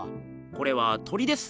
これは鳥です。